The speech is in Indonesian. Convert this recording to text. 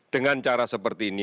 dengan cara seperti ini